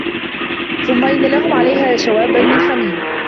ثُمَّ إِنَّ لَهُم عَلَيها لَشَوبًا مِن حَميمٍ